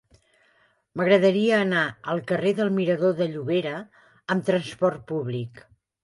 M'agradaria anar al carrer del Mirador de Llobera amb trasport públic.